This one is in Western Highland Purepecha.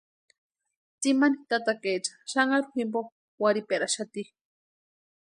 Tsimani tatakaecha xanharu jimpo warhiperaxati.